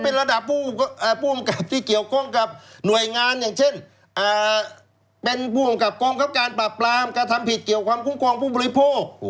เป็นระดับผู้กำกับที่เกี่ยวข้องกับหน่วยงานอย่างเช่นเป็นผู้กำกับกองคับการปราบปรามกระทำผิดเกี่ยวความคุ้มครองผู้บริโภค